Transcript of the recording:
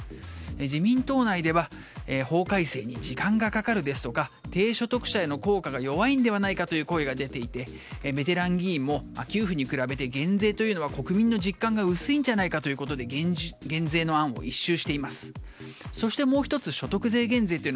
自民党内では法改正に時間がかかるですとか低所得者への効果が弱いのではないかという声が出ていてベテラン議員も給付に比べて減税は国民の実感が薄いんじゃないかということで減税の案を一蹴しています。